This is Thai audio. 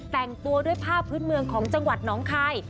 แต่งตัวด้วยผ้าพื้นเมืองของจังหวัดน้องคาย